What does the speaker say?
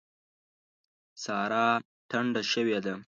سارا ټنډه شوې ده.